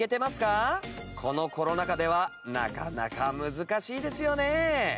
このコロナ禍ではなかなか難しいですよね。